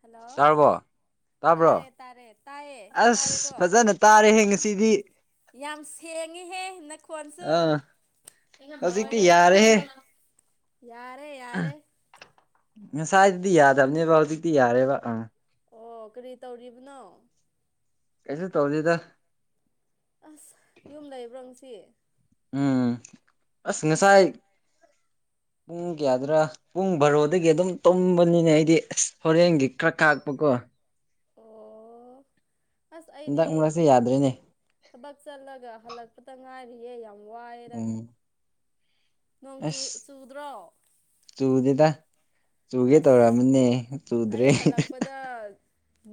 hello ꯇꯥꯔꯕꯣ ꯇꯥꯔꯦ ꯇꯥꯕ꯭ꯔꯣ ꯇꯥꯔꯦ ꯇꯥꯏꯌꯦ ꯑꯁ ꯇꯥꯔꯦꯀꯣ ꯐꯖꯅ ꯇꯥꯔꯦꯍꯦ ꯉꯁꯤꯗꯤ ꯌꯥꯝ ꯁꯦꯡꯉꯤꯍꯦ ꯅꯈꯣꯟꯁꯨ ꯑꯥ [unintelligible] ꯍꯧꯖꯤꯛꯇꯤ ꯂꯣꯏꯔꯦ ꯌꯥꯔꯦꯍꯦ ꯌꯥꯔꯦ ꯌꯥꯔꯦ ꯉꯁꯥꯏꯗꯗꯤ ꯌꯥꯗꯕꯅꯦꯕ ꯍꯧꯖꯤꯛꯇꯤ ꯌꯥꯔꯦꯕ ꯑꯥ ꯑꯣ ꯀꯔꯤ ꯇꯧꯔꯤꯕꯅꯣ ꯀꯩꯁꯨ ꯇꯧꯗꯦꯗ ꯑꯁ ꯌꯨꯝ ꯂꯩꯕ꯭ꯔꯣ ꯉꯁꯤ ꯎꯝ ꯑꯁ ꯉꯁꯥꯏ ꯄꯨꯡ ꯀꯌꯥꯗꯔꯥ ꯄꯨꯡ ꯕꯥꯔꯣꯗꯒꯤ ꯑꯗꯨꯝ ꯇꯨꯝꯕꯅꯤꯅꯦ ꯑꯩꯗꯤ ꯑꯁ ꯍꯣꯔꯦꯟꯒꯤ ꯈꯔ ꯈꯥꯛꯄꯀꯣ ꯑꯣ ꯑꯁ ꯑꯩꯗꯤ ꯍꯟꯗꯛ ꯃꯔꯛꯁꯦ ꯌꯥꯗ꯭ꯔꯦꯅꯦ ꯊꯥꯕꯛ ꯆꯠꯂꯒ ꯍꯜꯂꯛꯄꯇ ꯉꯥꯏꯔꯤꯌꯦ ꯌꯥꯝ ꯋꯥꯏꯌꯦꯗ ꯎꯝ ꯅꯣꯡꯇꯨ ꯑꯁ ꯆꯨꯗ꯭ꯔꯣ ꯆꯨꯗꯦꯗ ꯆꯨꯒꯦ ꯑꯁ ꯇꯧꯔꯛꯃꯤꯅꯦ ꯆꯨꯗ꯭ꯔꯦ ꯑꯩ ꯍꯜꯂꯛꯄꯗ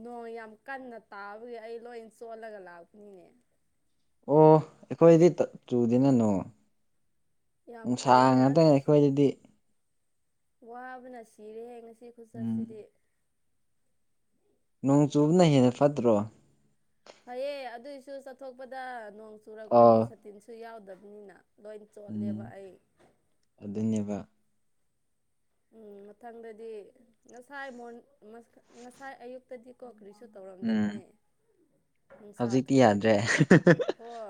ꯅꯣꯡ ꯌꯥꯝ ꯀꯟꯅ ꯇꯥꯕꯒꯤ ꯑꯩ ꯂꯣꯏꯟ ꯆꯣꯜꯂꯒ ꯂꯥꯛꯄꯅꯤꯅꯦ ꯑꯣ ꯑꯩꯈꯣꯏꯗꯤ ꯆꯨꯗꯅꯦ ꯅꯣꯡ ꯌꯥꯝ ꯅꯨꯡꯁꯥ ꯐꯩꯅꯦ ꯉꯥꯛꯇꯅ ꯑꯁ ꯑꯩꯈꯣꯏꯗꯗꯤ ꯋꯥꯕꯅ ꯁꯤꯔꯦꯍꯦ ꯉꯁꯤ ꯎꯝ ꯈꯨꯆꯠꯁꯤꯗꯤ ꯅꯣꯡ ꯆꯨꯕꯅ ꯍꯦꯟꯅ ꯐꯠꯇ꯭ꯔꯣ ꯐꯩꯌꯦ ꯑꯗꯨꯏꯁꯨ ꯆꯠꯊꯣꯛꯄꯗ ꯅꯣꯡ ꯆꯨꯔꯛꯄꯗꯤ ꯑꯥ ꯁꯥꯇꯤꯟꯁꯨ ꯌꯥꯎꯗꯕꯅꯤꯅ ꯂꯣꯏꯟ ꯆꯣꯠꯂꯦꯕ ꯎꯝ ꯑꯩ ꯑꯗꯨꯅꯦꯕ ꯎꯝ ꯃꯊꯪꯗꯗꯤ ꯉꯁꯥꯏ ꯃꯣꯔꯅꯤꯡ ꯉꯁꯥꯏ ꯑꯌꯨꯛꯇꯗꯤꯀꯣ ꯀ꯭ꯔꯤꯁꯨ ꯎꯝ ꯇꯧꯔꯝꯗꯕꯅꯦ ꯅꯨꯡꯁꯥ ꯍꯧꯖꯤꯛꯇꯤ ꯊꯣꯛꯀꯦ ꯌꯥꯗ꯭ꯔꯦ ꯊꯣꯛꯀꯦ ꯍꯣꯏ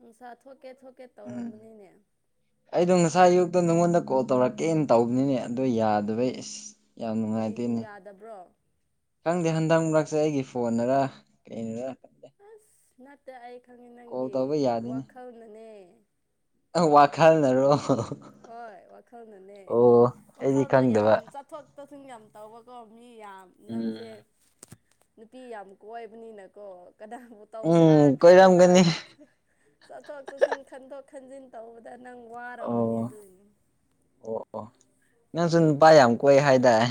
ꯅꯨꯡꯁꯥ ꯊꯣꯛꯀꯦ ꯊꯣꯛꯀꯦ ꯎꯝ ꯇꯧꯔꯝꯕꯅꯤꯅꯦ ꯑꯩꯗꯣ ꯉꯁꯥꯏ ꯑꯌꯨꯛꯇꯨ ꯅꯪꯉꯣꯟꯗ ꯀꯣꯜ ꯇꯧꯔꯛꯀꯦꯅ ꯇꯧꯕꯅꯤꯅꯦ ꯑꯗꯣ ꯌꯥꯗꯕꯩ ꯏꯁ ꯌꯥꯝ ꯀꯔꯤꯒꯤ ꯅꯨꯡꯉꯥꯏꯇꯦꯅꯦ ꯌꯥꯗꯕ꯭ꯔꯣ ꯈꯪꯗꯦ ꯍꯟꯗꯛ ꯃꯔꯛꯁꯦ ꯑꯩꯒꯤ ꯐꯣꯟꯔ ꯀꯩꯅꯔꯥ ꯑꯁ ꯅꯠꯇꯦ ꯑꯩ ꯈꯪꯉꯤ ꯀꯣꯜ ꯅꯪꯒꯤ ꯇꯧꯕ ꯋꯥꯈꯜꯅꯅꯦ ꯅꯪ ꯋꯥꯈꯜꯅꯔꯣ ꯍꯣꯏ ꯋꯥꯈꯜꯅꯅꯦ ꯑꯣ ꯑꯩꯗꯤ ꯋꯥꯈꯜꯗ ꯌꯥꯝ ꯈꯪꯗꯕ ꯆꯥꯊꯣꯛ ꯇꯧꯁꯤꯟ ꯌꯥꯝ ꯇꯧꯕꯀꯣ ꯃꯤ ꯌꯥꯝ ꯎꯝ ꯅꯪꯁꯦ ꯅꯨꯄꯤ ꯌꯥꯝ ꯀꯣꯏꯕꯅꯤꯅꯀꯣ ꯀꯅꯥꯕꯨ ꯇꯧꯁꯤꯔ ꯎꯝ ꯈꯜꯂ ꯀꯣꯏꯔꯝꯒꯅꯤ ꯆꯠ ꯆꯠꯊꯣꯛ ꯆꯠꯁꯤꯟ ꯈꯟꯗꯣꯛ ꯈꯟꯖꯤꯟ ꯇꯧꯕꯗ ꯅꯪ ꯋꯥꯔꯕꯅꯤ ꯑꯗꯨꯏꯅꯤ ꯑꯣ ꯑꯣ ꯅꯪꯁꯨ ꯅꯨꯄꯥ ꯌꯥꯝ ꯀꯣꯏ ꯍꯥꯏꯗꯥꯏ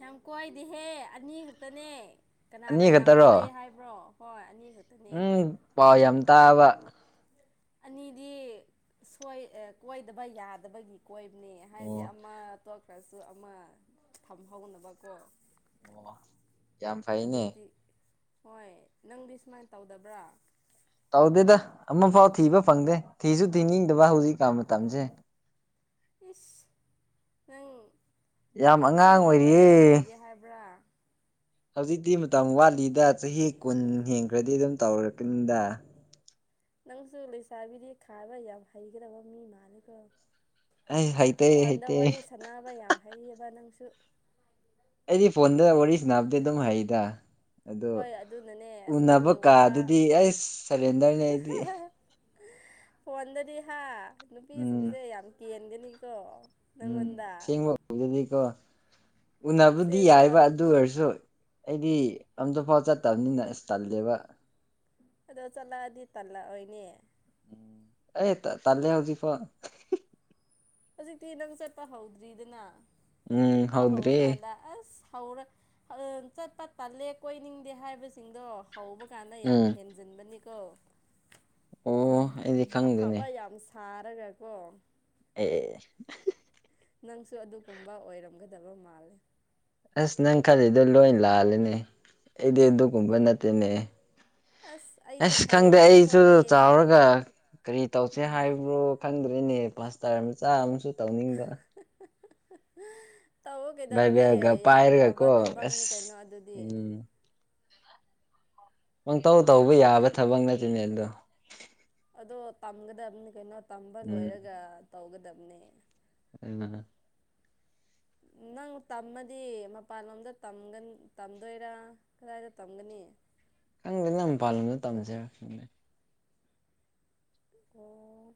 ꯌꯥꯝ ꯀꯣꯏꯗꯤ ꯍꯦ ꯑꯅꯤ ꯈꯛꯇꯅꯦ ꯑꯅꯤ ꯀꯅꯥꯅ ꯌꯥꯝ ꯈꯛꯇꯔꯣ ꯀꯣꯏꯌꯦ ꯍꯥꯏ ꯕ꯭ꯔꯣ ꯍꯣꯏ ꯑꯅꯤ ꯈꯛ ꯎꯝ ꯄꯥꯎ ꯌꯥꯝ ꯇꯥꯕ ꯑꯅꯤꯗꯤ ꯁꯨꯋꯥꯏ ꯑꯦ ꯀꯣꯏꯗꯕ ꯌꯥꯗꯕꯒꯤ ꯀꯣꯏꯕꯅꯦ ꯍꯥꯏꯗꯤ ꯑꯣ ꯑꯃ ꯇꯣꯛꯈ꯭ꯔꯁꯨ ꯑꯃ ꯊꯝꯍꯧꯅꯕ ꯀꯣ ꯑꯣ ꯌꯥꯝ ꯐꯩꯅꯦ ꯑꯗꯨꯗꯤ ꯍꯣꯏ ꯅꯪꯗꯤ ꯁꯨꯃꯥꯏꯟ ꯇꯧꯗꯕ꯭ꯔꯥ ꯇꯧꯗꯦꯗ ꯑꯃꯐꯥꯎ ꯊꯤꯕ ꯐꯪꯗꯦ ꯊꯤꯁꯨ ꯊꯤꯅꯤꯡꯗꯕ ꯍꯧꯖꯤꯛꯀꯥꯟ ꯃꯇꯝꯁꯦ ꯏꯁ ꯅꯪ ꯌꯥꯝ ꯄꯥꯈꯪ ꯁꯥꯔꯤ ꯑꯉꯥꯡ ꯑꯣꯏꯔꯒ ꯑꯣꯏꯔꯤꯌꯦ ꯂꯩꯒꯦ ꯍꯥꯏꯕ꯭ꯔꯥ ꯍꯧꯖꯤꯛꯇꯤ ꯃꯇꯝ ꯋꯥꯠꯂꯤꯗ ꯆꯍꯤ ꯀꯨꯟ ꯍꯦꯟꯈ꯭ꯔꯗꯤ ꯑꯗꯨꯝ ꯇꯧꯔꯛꯀꯅꯤꯗ ꯅꯪꯁꯨ ꯂꯩꯁꯥꯕꯤꯗꯤ ꯈꯥꯏꯕ ꯌꯥꯝ ꯍꯩꯒꯗꯧꯕ ꯃꯤ ꯃꯥꯜꯂꯦ ꯀꯣ ꯑꯩ ꯍꯩꯇꯦ ꯐꯣꯟꯗ ꯍꯩꯇꯦ ꯋꯥꯔꯤ ꯁꯥꯟꯅꯕ ꯌꯥꯝ ꯍꯩꯌꯦꯕ ꯅꯪꯁꯨ ꯑꯩꯗꯤ ꯐꯣꯟꯗ ꯋꯥꯔꯤ ꯁꯅꯕꯗꯤ ꯑꯗꯨꯝ ꯍꯩꯗ ꯑꯗꯨ ꯍꯣꯏ ꯑꯗꯨꯅꯅꯦ ꯑꯁ ꯎꯅꯕ ꯅꯪꯒꯤ ꯋꯥ ꯀꯥꯟꯗꯗꯤ ꯑꯩꯁ ꯁꯂꯦꯟꯗ꯭ꯔꯅꯤ ꯑꯩꯗꯤ ꯐꯣꯟꯗꯗꯤ ꯍꯥ ꯎꯝ ꯅꯨꯄꯤꯁꯤꯡꯁꯦ ꯌꯥꯝ ꯀꯦꯟꯒꯅꯤꯀꯣ ꯅꯪꯉꯣꯟꯗ ꯑꯗꯨꯗꯤꯀꯣ ꯎꯅꯕꯗꯤ ꯑꯁꯦꯡꯕ ꯌꯥꯏꯕ ꯑꯗꯨ ꯑꯣꯏꯔꯁꯨ ꯑꯩꯗꯤ ꯑꯝꯇꯐꯥꯎ ꯆꯠꯇꯝꯅꯤꯅ ꯑꯁ ꯇꯜꯂꯦꯕ ꯑꯗꯣ ꯆꯠꯂꯛꯑꯗꯤ ꯇꯜꯂꯛ ꯑꯣꯏꯅꯦ ꯑꯦ ꯇꯥ ꯇꯜꯂꯦ ꯍꯧꯖꯤ ꯐꯣ ꯍꯧꯖꯤꯛꯇꯤ ꯅꯪ ꯆꯠꯄ ꯍꯧꯗ꯭ꯔꯤꯗꯅ ꯎꯝ ꯆꯠꯄ ꯍꯧꯗ꯭ꯔꯤ ꯍꯧꯔꯀꯥꯟꯗ ꯑꯁ ꯍꯧꯔ ꯆꯠꯄ ꯇꯜꯂꯦ ꯀꯣꯏꯅꯤꯡꯗꯦ ꯍꯥꯏꯕꯁꯤꯡꯗꯣ ꯍꯧꯕ ꯀꯥꯟꯗ ꯌꯥꯝ ꯎꯝ ꯍꯦꯟꯖ ꯍꯖꯤꯟꯕꯅꯤꯀꯣ ꯑꯣ ꯑꯩꯗꯤ ꯈꯪꯗꯦꯅꯦ ꯑꯐꯕ ꯌꯥꯝ ꯁꯥꯔꯒ ꯀꯣ ꯑꯦ ꯅꯪꯁꯨ ꯑꯗꯨꯒꯨꯝꯕ ꯑꯣꯏꯔꯝꯒꯗꯕ ꯃꯥꯜꯂꯦ ꯑꯁ ꯅꯪ ꯈꯜꯂꯤꯗꯣ ꯂꯣꯏ ꯂꯥꯂꯅꯦ ꯑꯩꯗꯤ ꯑꯗꯨꯒꯨꯝꯕ ꯅꯠꯇꯦꯅꯦ ꯑꯩꯗꯤ ꯑꯁ ꯈꯪꯗꯦ ꯐꯩꯌꯦ ꯑꯩꯁꯨ ꯈꯣꯠꯂꯦ ꯆꯥꯎꯔꯒ ꯀꯔꯤ ꯇꯧꯁꯦ ꯍꯥꯏꯕ꯭ꯔꯣ ꯈꯪꯗꯣꯏꯔꯤꯅꯦ ꯄꯥꯁꯇꯔ ꯃꯆꯥ ꯑꯃꯁꯨ ꯇꯧꯅꯤꯡꯕ ꯇꯧꯋꫭ ꯀꯩꯗꯧꯔꯒꯦ ꯕꯥꯏꯕꯦꯜꯒ ꯌꯥꯝ ꯐꯕ ꯄꯥꯏꯔꯒꯀꯣ ꯊꯕꯛꯅꯤ ꯀꯩꯅꯣ ꯑꯁ ꯑꯗꯨꯗꯤ ꯎꯝ ꯄꯪꯇꯧ ꯇꯧꯕ ꯌꯥꯕ ꯊꯕꯛ ꯅꯠꯇꯦꯅꯦ ꯑꯗꯣ ꯑꯗꯣ ꯇꯝꯒꯗꯕꯅꯤ ꯀꯩꯅꯣ ꯇꯝꯕ ꯎꯝ ꯂꯣꯏꯔꯒ ꯇꯧꯒꯗꯕꯅꯤ [unintelligible] ꯅꯪ ꯇꯝꯃꯗꯤ ꯃꯄꯥꯟꯂꯣꯝꯗ ꯇꯝꯗꯣꯏꯔꯥ ꯀꯗꯥꯏꯗ ꯇꯝꯒꯅꯤ ꯈꯪꯗꯦꯅꯪ ꯃꯄꯥꯟꯂꯣꯗ ꯇꯝꯁꯔ ꯑꯣ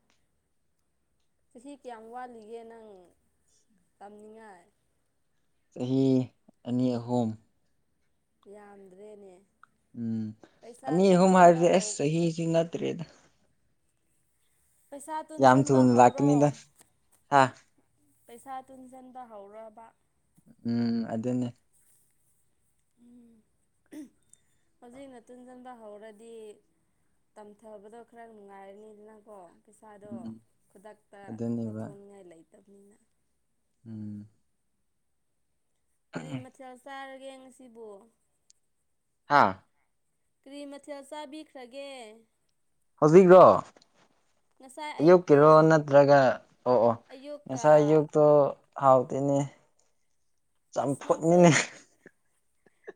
ꯆꯍꯤ ꯀꯌꯥꯝ ꯋꯥꯠꯂꯤꯒꯦ ꯅꯪ ꯇꯝꯅꯤꯡꯉꯥꯏ ꯆꯍꯤ ꯑꯅꯤ ꯑꯍꯨꯝ ꯌꯥꯝꯗ꯭ꯔꯦꯅꯦ ꯎꯝ ꯄꯩꯁꯥ ꯑꯅꯤ ꯑꯍꯨꯝ ꯇꯨꯡꯁꯤꯟꯕ ꯍꯥꯏꯔꯤꯗꯤꯦ ꯍꯧ ꯑꯁ ꯆꯍꯤꯒꯤ ꯅꯠꯇ꯭ꯔꯦꯗ ꯄꯩꯁꯥ ꯌꯥꯝ ꯇꯨꯟꯁꯤꯟꯕ ꯊꯨꯅ ꯍꯧꯔꯣ ꯂꯥꯛꯀꯅꯤꯗ ꯍꯥ ꯄꯩꯁꯥ ꯇꯨꯟꯖꯤꯟꯕ ꯍꯧꯔꫭꯕ ꯎꯝ ꯑꯗꯨꯅꯦ [inaudible] ꯍꯧꯖꯤꯛꯅ ꯇꯨꯟꯖꯤꯟꯕ ꯍꯧꯔꯗꯤ ꯇꯝꯊꯕꯗꯣ ꯈꯔ ꯅꯨꯡꯉꯥꯏꯔꯅꯤꯗꯅꯀꯣ ꯄꯩꯁꯥꯗꯣ ꯎꯝ ꯈꯨꯗꯛꯇ ꯑꯗꯨꯅꯦꯕ ꯂꯧꯊꯣꯛꯉꯥꯏ ꯂꯩꯇꯕꯅꯤꯅ ꯎꯝ ꯀꯔꯤ ꯃꯊꯦꯜ ꯆꯥꯔꯒꯦ ꯉꯁꯤꯕ ꯍꯥꯥ ꯀ꯭ꯔꯤ ꯃꯊꯦꯜ ꯆꯥꯕꯤꯈ꯭ꯔꯒꯦ ꯍꯧꯖꯤꯛ꯭ꯔꯣ ꯉꯁꯥꯏ ꯑꯌꯨꯛꯇꯣ ꯑꯌꯨꯛꯀꯤꯔꯣ ꯅꯠꯇ꯭ꯔꯒ ꯑꯣ ꯑꯣ ꯑꯌꯨꯛꯀ ꯉꯁꯥꯏ ꯑꯌꯨꯛꯇꯣ ꯍꯥꯎꯇꯦꯅꯦ ꯑꯁ ꯅꯪꯁꯨ ꯆꯝꯐꯨꯠꯅꯤꯅꯦ ꯅꯨꯡꯇꯤ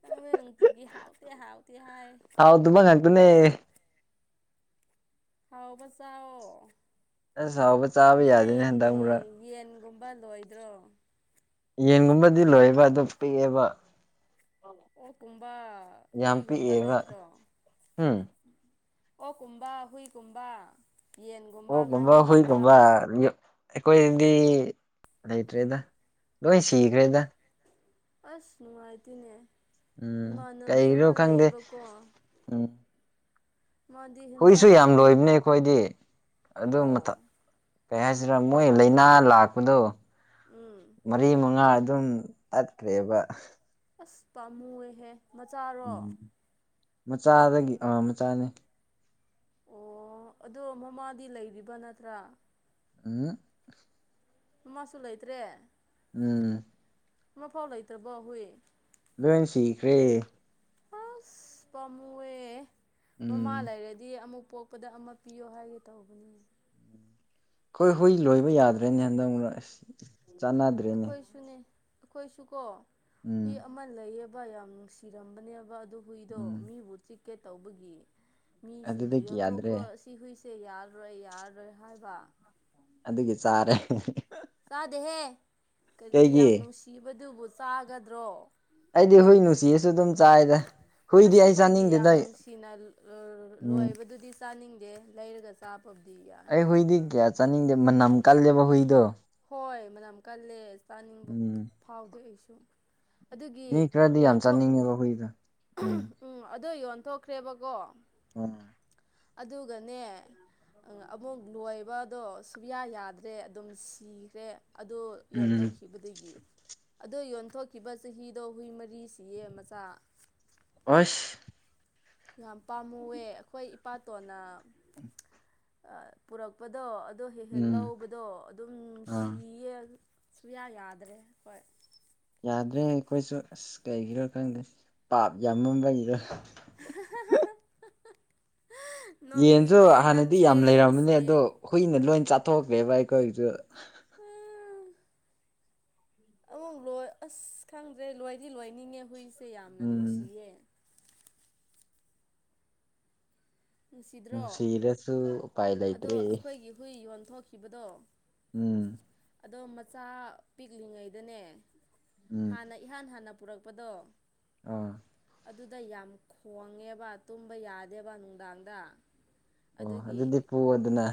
ꯅꯪ ꯅꯨꯡꯇꯤꯒꯤ ꯍꯥꯎꯇꯦ ꯍꯥꯎꯇꯦ ꯍꯥꯏꯥꯌꯦ ꯑꯗꯨꯃ ꯉꯥꯛꯗꯨꯅꯦ ꯍꯥꯎꯕ ꯆꯥꯑꯣ ꯑꯁ ꯍꯥꯎꯕ ꯆꯥꯕ ꯌꯥꯗꯦꯅꯦ ꯍꯟꯗꯛ ꯃꯔꯨꯔꯛ ꯌꯦꯟꯒꯨꯝꯕ ꯂꯣꯏꯗ꯭ꯔꯣ ꯌꯦꯟꯒꯨꯝꯕꯗꯤ ꯂꯣꯏꯌꯦꯕ ꯑꯗꯨ ꯄꯤꯛꯑꯦꯕ ꯑꯣꯛ ꯀꯨꯝꯕ ꯌꯥꯝ ꯍꯨꯏꯒꯨꯝꯕ ꯄꯤꯛꯑꯦꯕ ꯂꯩꯇ꯭ꯔꯣ ꯎꯝ ꯑꯣꯛ ꯀꯨꯝꯕꯥ ꯍꯨꯏ ꯀꯨꯝꯕꯥ ꯑꯣ ꯀꯨꯝꯕ ꯍꯨꯏ ꯒꯨꯝꯕ ꯑꯩꯈꯣꯏꯗꯗꯤ ꯂꯩꯇ꯭ꯔꯦꯗ ꯂꯣꯏ ꯁꯤꯈ꯭ꯔꯦꯗ ꯑꯁ ꯅꯨꯉꯥꯏꯇꯦꯅꯦ ꯎꯝ ꯀꯩꯩꯒꯤꯅꯣ ꯈꯪꯗꯦ ꯎꯝ ꯃꯥꯗꯤ ꯍꯨꯏꯁꯨ ꯍꯦꯟꯖꯥꯡ ꯌꯥꯝ ꯆꯥꯅꯤ ꯂꯣꯏꯕꯅꯦ ꯑꯩꯈꯣꯏꯗꯤ ꯑꯗꯨ ꯃ ꯑꯣ ꯀꯩ ꯍꯥꯏꯁꯤꯔꯥ ꯃꯣꯏ ꯂꯩꯅꯥ ꯂꯥꯛꯄꯗꯣ ꯎꯝ ꯃꯔꯤ ꯃꯉꯥ ꯑꯗꯨꯝ ꯇꯠꯈ꯭ꯔꯦꯕ ꯑꯁ ꯄꯥꯝꯃꯨꯋꯦꯍꯦ ꯃꯆꯥꯔꯣ ꯎꯝ ꯃꯆꯥꯗꯒꯤ ꯑꯥ ꯃꯆꯥꯅꯤ ꯑꯣ ꯑꯗꯣ ꯃꯃꯥꯗꯤ ꯂꯩꯔꯤꯕ ꯅꯠꯇ꯭ꯔꯥ [unintelligible] ꯃꯃꯥꯁꯨ ꯂꯩꯇ꯭ꯔꯦ ꯎꯝ ꯑꯃꯐꯥꯎ ꯂꯩꯇ꯭ꯔꯕꯣ ꯍꯨꯏ ꯂꯣꯏꯟ ꯁꯤꯈ꯭ꯔꯦ ꯑꯁ ꯄꯥꯃꯨꯋꯦ ꯃꯃꯥ ꯎꯝ ꯂꯩꯔꯗꯤ ꯑꯃꯨꯛ ꯄꯣꯛꯄꯗ ꯑꯃ ꯄꯤꯌꯣ ꯍꯥꯏꯒꯦ ꯇꯧꯕꯅꯦ ꯈꯣꯏ ꯍꯨꯏ ꯂꯣꯏꯕ ꯌꯥꯗ꯭ꯔꯦꯅꯦ ꯍꯟꯗꯛ ꯃꯔꯛ ꯑꯁ ꯆꯥꯟꯅꯗ꯭ꯔꯦꯅꯦ ꯑꯈꯣꯏꯁꯨꯅꯦ ꯑꯈꯣꯏꯁꯨ ꯀꯣ ꯎꯝ ꯍꯨꯏ ꯑꯃ ꯂꯩꯌꯦ ꯕ ꯌꯥꯝ ꯅꯨꯡꯁꯤꯔꯝꯕꯅꯦꯕ ꯑꯗꯨ ꯍꯨꯏꯗꯣ ꯎꯝ ꯃꯤꯕꯨ ꯆꯤꯛꯀꯦ ꯇꯧꯕꯒꯤ ꯃꯤꯁꯤꯡꯅ ꯑꯗꯨꯗꯒꯤ ꯌꯥꯗ꯭ꯔꯦ ꯌꯣꯟꯊꯣꯛꯈ꯭ꯔꯣ ꯁꯤ ꯍꯨꯏꯁꯦ ꯌꯥꯔꯔꯣꯏ ꯌꯥꯔꯔꯣꯏ ꯍꯥꯏꯕ ꯑꯗꯨꯒꯤ ꯆꯥꯔꯦ ꯆꯥꯗꯦꯍꯦ ꯀꯔꯤ ꯀꯩꯒꯤ ꯌꯥꯝ ꯅꯨꯡꯁꯤꯕꯗꯨꯕꯨ ꯆꯥꯒꯗ꯭ꯔꯣ ꯑꯩꯗꯤ ꯍꯨꯏ ꯅꯨꯡꯁꯤꯔꯁꯨ ꯑꯗꯨꯝ ꯆꯥꯏꯗ ꯍꯨꯏꯗꯤ ꯑꯁ ꯑꯩ ꯑꯈꯣꯏꯒꯤ ꯌꯥꯝ ꯆꯥꯅꯤꯡꯗꯦꯗ ꯅꯨꯡꯁꯤꯅ ꯎꯝ ꯂꯣꯏꯕꯗꯨꯗꯤ ꯆꯥꯅꯤꯡꯗꯦ ꯂꯩꯔꯒ ꯆꯥꯕꯕꯨꯗꯤ ꯌꯥꯏ ꯑꯩ ꯍꯨꯏꯗꯤ ꯀꯌꯥ ꯆꯥꯅꯤꯡꯗꯦ ꯃꯅꯝ ꯀꯜꯂꯦꯕ ꯍꯨꯏꯗꯣ ꯍꯣꯏ ꯃꯅꯝ ꯀꯜꯂꯦ ꯆꯥꯅꯤꯡꯕ ꯎꯝ ꯐꯥꯎꯗꯦ ꯑꯩꯁꯨ ꯑꯗꯨꯒꯤ ꯃꯤ ꯈꯔꯗꯤ ꯌꯥꯝ ꯌꯣꯟꯊꯣꯛ ꯆꯥꯅꯤꯡꯉꯦꯕ ꯍꯨꯏꯗꯣ ꯎꯝ ꯑꯗꯣ ꯌꯣꯟꯊꯣꯛꯈ꯭ꯔꯦꯕꯀꯣ ꯑꯝ ꯑꯗꯨꯒꯅꯦ ꯑꯪ ꯑꯃꯨꯛ ꯂꯣꯏꯕꯗꯣ ꯁꯨꯌꯥ ꯌꯥꯗ꯭ꯔꯦ ꯑꯗꯨꯝ ꯁꯤꯈ꯭ꯔꯦ ꯑꯗꯨ ꯎꯝ ꯌꯣꯟꯊꯣꯛꯈꯤꯕꯗꯒꯤ ꯑꯗꯨ ꯌꯣꯟꯊꯣꯛꯈꯤꯕ ꯆꯍꯤꯗꯣ ꯍꯨꯏ ꯃꯔꯤ ꯁꯤꯌꯦ ꯃꯆꯥ ꯑꯁ ꯌꯥꯝ ꯄꯥꯝꯃꯨꯋꯦ ꯑꯩꯈꯣꯏ ꯏꯄꯥꯇꯣꯟꯅ ꯄꯨꯔꯛꯄꯗꯣ ꯑꯗꯣ ꯍꯦꯛ ꯍꯦꯛ ꯎꯝ ꯂꯧꯕꯗꯣ ꯑꯗꯨꯝ ꯑꯥ ꯁꯤꯌꯦ ꯁꯨꯌꯥ ꯌꯥꯗ꯭ꯔꯦ ꯍꯣꯏ ꯌꯥꯗ꯭ꯔꯦ ꯑꯩꯈꯣꯏꯁꯨ ꯑꯁ ꯀꯩꯒꯤꯔꯣ ꯈꯪꯗꯦ ꯄꯥꯞ ꯌꯥꯝꯃꯝꯕꯒꯤꯔꯣ [unintelligible] ꯌꯦꯟꯖꯨ ꯍꯥꯟꯅꯗꯤ ꯅꯪꯁꯦ ꯌꯥꯝ ꯂꯩꯔꯝꯕꯅꯦ ꯑꯗꯣ ꯁꯦ ꯍꯨꯏꯅ ꯂꯣꯏ ꯆꯥꯊꯣꯛꯈ꯭ꯔꯦꯕ ꯑꯩꯈꯣꯏꯒꯤꯁꯨ [inaudible] ꯑꯃꯨꯛ ꯂꯣꯏ ꯑꯁ ꯈꯪꯗ꯭ꯔꯦ ꯂꯣꯏꯗꯤ ꯂꯣꯏꯅꯤꯡꯉꯦ ꯍꯨꯏꯁꯦ ꯌꯥꯝꯅ ꯎꯝ ꯅꯨꯡꯁꯤꯌꯦ ꯅꯨꯡꯁꯤꯗ꯭ꯔꯣ ꯅꯨꯡꯁꯤꯔꯁꯨ ꯎꯄꯥꯏ ꯑꯗꯣ ꯂꯩꯇ꯭ꯔꯦ ꯑꯈꯣꯏꯒꯤ ꯍꯨꯏ ꯌꯣꯟꯊꯣꯛꯈꯤꯕꯗꯣ ꯎꯝ ꯑꯗꯣ ꯃꯆꯥ ꯄꯤꯛꯂꯤꯉꯩꯗꯅꯦ ꯎꯝ ꯍꯥꯟꯅ ꯏꯍꯥꯟ ꯍꯥꯟꯅ ꯄꯨꯔꯛꯄꯗꯣ ꯑꯥ ꯑꯗꯨꯗ ꯌꯥꯝ ꯈꯣꯡꯉꯦꯕ ꯇꯨꯝꯕ ꯌꯥꯗꯦꯕ ꯅꯨꯡꯗꯥꯡꯗ ꯑꯣ ꯑꯗꯨꯗꯤ ꯄꯨꯑꯣꯗꯅ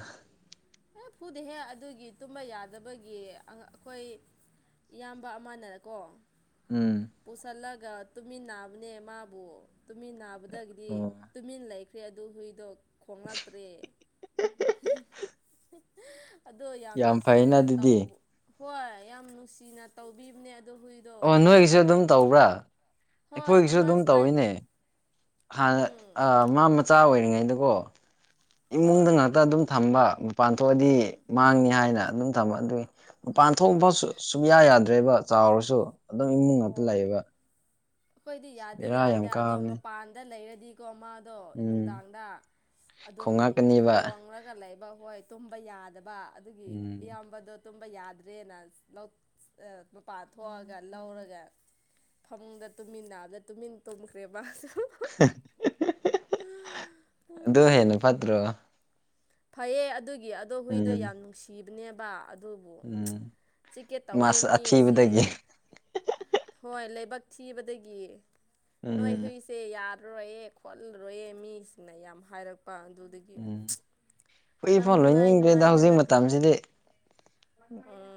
ꯍꯦ ꯐꯨꯗꯤꯍꯦ ꯑꯗꯨꯒꯤ ꯇꯨꯝꯕ ꯌꯥꯗꯕꯒꯤ ꯑꯩꯈꯣꯏ ꯏꯌꯥꯝꯕ ꯑꯃꯅ ꯀꯣ ꯎꯝ ꯄꯨꯁꯤꯜꯂꯒ ꯇꯨꯃꯤꯟ ꯅꯥꯕꯅꯦ ꯃꯥꯕꯨ ꯇꯨꯃꯤꯟ ꯅꯥꯕꯗꯒꯤꯗꯤ ꯑꯣ ꯇꯨꯃꯤꯟ ꯂꯩꯈ꯭ꯔꯦ ꯑꯗꯨ ꯍꯨꯏꯗꯣ ꯈꯣꯡꯉꯛꯇ꯭ꯔꯦ ꯑꯣ ꯌꯥꯝ ꯐꯩꯅ ꯅꯨꯡꯁꯤꯅ ꯑꯗꯨꯗꯤ ꯇꯧꯕ ꯍꯣꯏ ꯌꯥꯝ ꯅꯨꯡꯁꯤꯅ ꯇꯧꯕꯤꯕꯅꯦ ꯑꯗꯣ ꯍꯨꯏ ꯑꯣ ꯅꯣꯏꯒꯤꯁꯨ ꯑꯗꯨꯝ ꯇꯧꯕ꯭ꯔꯥ ꯍꯣꯏ ꯑꯩꯈꯣꯏꯒꯤꯁꯨ ꯑꯃ ꯑꯗꯨꯝ ꯁꯨꯃꯥꯏ ꯇꯧꯋꯤꯅꯦ ꯍꯥꯟꯅ ꯎꯝ ꯑꯥ ꯃꯥ ꯃꯆꯥ ꯑꯣꯏꯔꯤꯉꯩꯗꯀꯣ ꯍꯣꯏ ꯏꯃꯨꯡꯗ ꯉꯥꯛꯇ ꯑꯗꯨꯝ ꯊꯝꯕ ꯃꯄꯥꯟ ꯊꯣꯛꯑꯗꯤ ꯎꯝ ꯃꯥꯡꯅꯤ ꯍꯥꯏꯅ ꯑꯗꯨꯝ [inaudible] ꯃꯄꯥꯟ ꯊꯣꯛꯄ ꯁꯨꯌꯥ ꯌꯥꯗ꯭ꯔꯦꯕ ꯆꯥꯎꯔꯁꯨ ꯑꯗꯨꯝ ꯏꯃꯨꯡ ꯉꯥꯛꯇ ꯑꯣ ꯂꯩꯌꯦꯕ ꯑꯩꯈꯣꯏꯗꯤ ꯌꯥꯗꯤ ꯕꯦꯔꯥ ꯌꯥꯝ ꯌꯥꯏꯗ ꯑꯗꯣ ꯀꯥꯕꯅꯤ ꯃꯄꯥꯟꯗ ꯂꯩꯔꯗꯤ ꯀꫭ ꯃꯥꯗ‌ꯣ ꯎꯝ ꯅꯨꯡꯗꯥꯡꯗ ꯑꯗꯨꯝ ꯈꯣꯡꯉꯛꯀꯅꯤꯕ ꯈꯣꯡꯔꯒ ꯂꯩ ꯕ ꯍꯣꯏ ꯇꯨꯝꯕ ꯌꯥꯗꯕ ꯑꯗꯨꯒꯤ ꯎꯝ ꯏꯌꯥꯝꯕꯗꯣ ꯇꯨꯝꯕ ꯌꯥꯗ꯭ꯔꯦꯅ ꯃꯄꯥꯟ ꯊꯣꯛꯑꯒ ꯂꯧꯔꯒ ꯐꯃꯨꯡꯗ ꯇꯨꯃꯤꯟ ꯅꯥꯕꯗ ꯇꯨꯃꯤꯟ ꯇꯨꯝꯈ꯭ꯔꯦꯕꯥ ꯑꯗꯨ ꯍꯦꯟꯅ ꯐꯠꯇ꯭ꯔꯣ ꯐꯩꯌꯦ ꯑꯗꯨꯒꯤ ꯑꯗꯣ ꯍꯨꯏꯗꯣ ꯎꯝ ꯌꯥꯝ ꯅꯨꯡꯁꯤꯕꯅꯦꯕ ꯑꯗꯨꯒꯤ ꯎꯝ ꯆꯤꯀꯦ ꯇꯧꯋꯦ ꯃꯥꯁ ꯃꯤ ꯑꯁꯤ ꯑꯊꯤꯕꯗꯒꯤ ꯍꯣꯏ ꯂꯥꯏꯕꯛ ꯊꯤꯕꯗꯒꯤ ꯅꯣꯏ ꯎꯝ ꯍꯨꯏꯁ ꯑ‌ꯦ ꯌꯥꯔꯔꯣꯏꯌꯦ ꯈꯣꯠꯂꯔꯣꯏꯌꯦ ꯃꯤꯁꯤꯅ ꯌꯥꯝ ꯍꯥꯏꯔꯛꯄ ꯑꯗꯨꯗꯒꯤ ꯍꯨꯏ ꯌꯥꯝ ꯐꯥꯎ ꯅꯨꯡꯉꯥꯏ ꯂꯣꯏꯅꯤꯡꯗ꯭ꯔꯦꯗ ꯍꯧꯖꯤꯛ ꯅꯨꯡꯉꯥꯏꯇꯅ ꯃꯇꯝꯁꯤꯗꯤ [inaudible]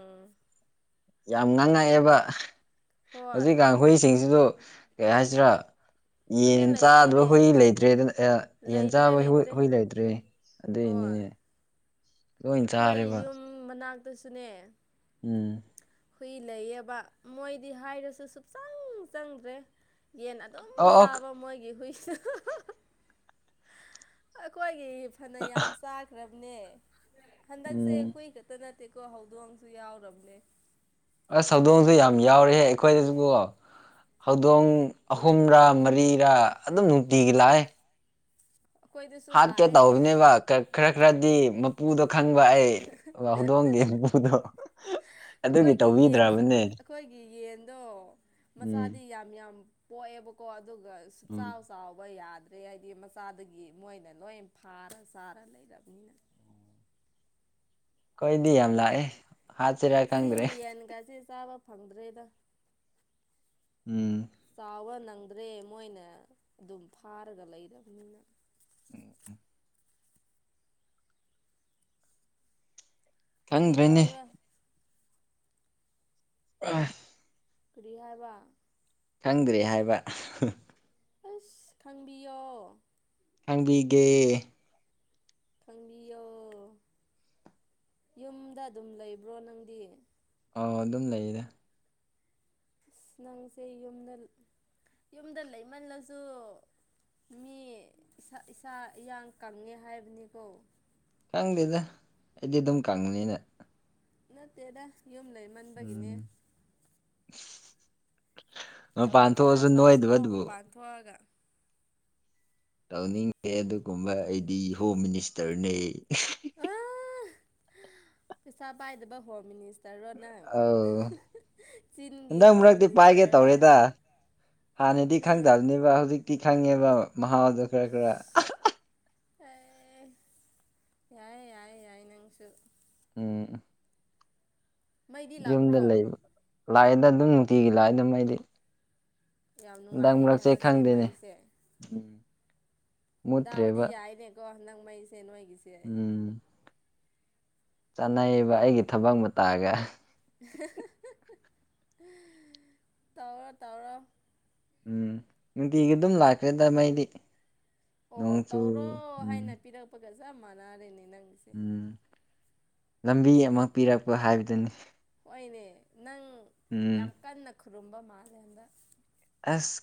ꯌꯥꯝ ꯉꯥꯡꯉꯛꯑꯦꯕ ꯍꯣꯏ ꯍꯧꯖꯤꯛꯀꯥꯟ ꯍꯨꯏꯁꯤꯡꯁꯤꯁꯨ ꯀꯩ ꯍꯥꯏꯁꯤꯔꯥ ꯇꯨꯃꯤꯟ ꯌꯦꯟ ꯆꯥꯗꯕ ꯂꯩꯇꯦꯅꯦ ꯍꯨꯏ ꯂꯩꯇ꯭ꯔꯦꯗꯅ ꯁ° ꯌꯦꯟ ꯂꯩꯇ꯭ꯔꯦ ꯆꯥꯕ ꯍꯨꯏ ꯂꯩꯇ꯭ꯔꯦ ꯍꯨꯏ ꯂꯩꯇ꯭ꯔꯦ ꯍꯣꯏ ꯑꯗꯨꯏꯅꯤꯅꯦ ꯂꯣꯏ ꯑꯩꯈꯣꯏ ꯆꯥꯔꯦꯕ ꯌꯨꯝ ꯃꯅꯥꯛꯇꯁꯨꯅꯦ ꯎꯝ ꯍꯨꯏ ꯂꯩꯌꯦꯕ ꯃꯣꯏꯗꯤ ꯍꯥꯏꯔꯁꯨ ꯁꯨꯞꯆꯪ ꯆꯪꯗ꯭ꯔꯦ ꯌꯦꯟ ꯑꯗꯨꯝ ꯑꯣ ꯑꯣ ꯆꯥꯕ ꯃꯣꯏꯒꯤ ꯍꯨꯏ [inaudible] ꯑꯩꯈꯣꯏꯒꯤ ꯐꯅ ꯌꯥꯝ ꯆꯥꯈ꯭ꯔꯕꯅꯦ ꯍꯟꯗꯛꯁꯦ ꯎꯝ ꯍꯨꯏ ꯈꯛꯇ ꯅꯠꯇꯦꯀꯣ ꯍꯧꯗꯣꯡꯁꯨ ꯌꯥꯎꯔꯕꯅꯦ ꯑꯁ ꯍꯧꯗꯣꯡꯁꯨ ꯌꯥꯝ ꯌꯥꯎꯔꯤꯍꯦ ꯑꯩꯈꯣꯏꯗꯁꯨꯀꯣ ꯍꯧꯗꯣꯡ ꯑꯍꯨꯝꯔꯥ ꯃꯔꯤꯔꯥ ꯑꯗꯨꯝ ꯅꯨꯡꯇꯤꯒꯤ ꯂꯥꯛꯑꯦ ꯑꯩꯈꯣꯏꯗꯁꯨ ꯍꯥꯠꯀꯦ ꯂꯥꯛꯑꯦꯅꯦ ꯇꯧꯕꯅꯦꯕ ꯈꯔ ꯈꯔꯗꯤ ꯄꯨꯗꯣ ꯈꯪꯕ ꯑꯩ ꯍꯧꯗꯣꯡꯒꯤ ꯃꯄꯨꯗꯣ ꯑꯗꯨꯒꯤ ꯑꯩꯈꯣꯏꯒꯤ ꯌꯦꯟꯁꯤꯡ ꯇꯧꯕꯤꯗ꯭ꯔꯕꯅꯦ ꯑꯩꯈꯣꯏꯒꯤ ꯌꯦꯟꯗꯣ ꯎꯝ ꯃꯆꯥꯗꯤ ꯌꯥꯝ ꯌꯥꯝ ꯄꯣꯛꯑꯦꯕꯀꯣ ꯑꯗꯨꯒ ꯁꯨꯛꯆꯥꯎ ꯆꯥꯎꯕ ꯌꯥꯗ꯭ꯔꯦ ꯍꯥꯏꯗꯤ ꯃꯆꯥꯗꯒꯤ ꯃꯣꯏꯅ ꯂꯣꯏ ꯐꯥꯔ ꯆꯥꯔ ꯂꯩꯔꯕꯅꯤꯅ ꯑꯩꯈꯣꯏꯗꯤ ꯌꯥꯝ ꯂꯥꯛꯑꯦ ꯍꯥꯠꯁꯤꯔꯥ ꯆꯤꯡ ꯈꯪꯗ꯭ꯔꯦ ꯌꯦꯟꯒꯁꯦ ꯆꯥꯕ ꯐꯪꯗ꯭ꯔꯦꯗꯥ ꯎꯝ ꯆꯥꯎꯕ ꯅꯪꯗ꯭ꯔꯦ ꯃꯣꯏꯅ ꯑꯗꯨꯝ ꯐꯥꯔꯒ ꯂꯩꯔꯅꯤꯅ ꯀꯔꯤ ꯈꯪꯗ꯭ꯔꯦꯅꯦ ꯇꯧꯔꯒ [inaudible] ꯀꯔꯤ ꯍꯥꯏꯕ ꯈꯪꯗ꯭ꯔꯦ ꯍꯥꯏꯕ ꯑꯁ ꯈꯪꯕꯤꯌꯣ ꯈꯪꯕꯤꯒꯦ ꯈꯪꯕꯤꯌꯣ ꯌꯨꯝꯗ ꯑꯗꯨꯝ ꯂꯩꯕ꯭ꯔꯣ ꯅꯪꯗꯤ ꯑꯥꯎ ꯑꯗꯨꯝ ꯂꯩꯔꯦ ꯑꯁ ꯅꯪꯁꯦ ꯌꯨꯝꯗ ꯌꯨꯝꯗ ꯂꯩꯃꯜꯂꯖꯨ ꯃꯤ ꯏꯁꯥ ꯏꯁꯥ ꯏꯌꯥꯡ ꯀꯪꯉꯦ ꯍꯥꯏꯕꯅꯤꯀꯣ ꯀꯪꯗꯦꯗ ꯑꯩꯗꯤ ꯑꯗꯨꯝ ꯀꯪꯅꯤꯅ ꯅꯠꯇꯦꯗ ꯌꯨꯝ ꯂꯩꯃꯟꯕꯒꯤꯅꯦ ꯎꯝ ꯃꯄꯥꯟ ꯊꯕꯛ ꯈꯔ ꯊꯣꯛꯑꯖꯨ ꯈꯔ ꯅꯣꯏꯗꯕ ꯁꯨꯕ ꯗꯨꯕꯨ ꯃꯄꯥꯟ ꯊꯣꯛꯑꯒ ꯇꯧꯅꯤꯡꯇꯦ ꯑꯗꯨꯒꯨꯝꯕ ꯑꯩꯗꯤ ꯍꯣꯝ ꯃꯤꯅꯤꯁꯇꯔꯅꯦ ꯄꯩꯁꯥ ꯄꯥꯏꯗꯕ ꯍꯣꯝ ꯃꯤꯅꯤꯁ ꯇꯔꯣꯠ ꯅꯪ ꯑꯧ ꯆꯤꯟꯒꯤ ꯍꯟꯗꯛ ꯍꯣꯝ ꯃꯔꯛꯇꯤ ꯄꯥꯏꯒꯦ ꯃꯤꯅꯤꯁꯇꯔ ꯔꯥ ꯇꯧꯔꯦꯗ ꯍꯥꯟꯅꯗꯤ ꯈꯪꯗꯕꯅꯦꯕ ꯍꯧꯖꯤꯛꯇꯤ ꯈꯪꯉꯦꯕ ꯃꯍꯥꯎꯗꯣ ꯈꯔ ꯈꯔ ꯑꯦ ꯌꯥꯏꯌꯦ ꯌꯥꯏꯌꯦ ꯌꯥꯏ ꯅꯪꯁꯨ ꯎꯝ ꯃꯩꯗꯤ ꯌꯨꯝꯗ ꯂꯥꯛꯄ꯭ꯔꯣ ꯂꯩꯕ ꯂꯥꯛꯑꯦꯗ ꯑꯗꯨꯝ ꯅꯨꯡꯇꯤꯒꯤ ꯂꯥꯛꯑꯦꯗ ꯃꯩꯗꯤ ꯌꯥꯝ ꯅꯨꯡꯉꯥꯏꯔꯦꯅꯦ ꯍꯟꯗꯛꯁꯦ ꯈꯪꯗꯦꯅꯦ ꯃꯩꯁꯦ [inaudible] ꯗꯥꯎꯗꯤ ꯃꯨꯠꯇ꯭ꯔꯦꯕ ꯌꯥꯏꯅꯦꯀꯣ ꯅꯪ ꯃꯩꯁꯦ ꯅꯣꯏꯒꯤꯁꯦ ꯆꯥꯟꯅꯩꯕ ꯐꯩ ꯑꯩꯒꯤ ꯐꯩ ꯊꯕꯛ ꯃꯇꯥꯒ ꯇꯧꯔꯣ ꯇꯧꯔꯣ ꯎꯝ ꯅꯨꯡꯇꯤꯒꯤ ꯑꯗꯨꯝ ꯂꯥꯛꯈ꯭ꯔꯦꯗ ꯃꯩꯗꯤ ꯑꯣ ꯅꯣꯡꯆꯨ ꯇꯧꯔꯣ ꯎꯝ ꯍꯥꯏꯅ ꯄꯤꯔꯛꯄꯒ ꯆꯞ ꯃꯥꯟꯅꯔꯦꯅꯦ ꯅꯪ ꯎꯝ ꯂꯝꯕꯤ ꯑꯃ ꯄꯤꯔꯛꯄ ꯍꯥꯏꯕꯗꯨꯅꯤ ꯍꯣꯏꯅꯦ ꯅꯪ ꯌꯥꯝ ꯎꯝ ꯀꯟꯅ ꯈꯨꯔꯨꯝꯕ ꯃꯥꯂꯦꯝꯗ ꯑꯁ